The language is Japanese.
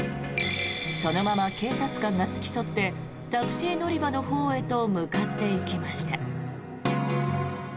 そのまま警察官が付き添ってタクシー乗り場のほうへと向かっていきました。